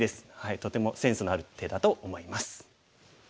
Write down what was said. とてもセンスのある手だと思います。